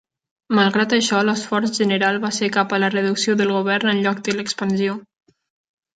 Malgrat això, l'esforç general va ser cap a la reducció del govern en lloc de l'expansió.